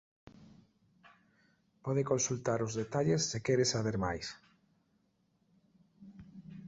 Pode consultar os detalles se quere saber máis.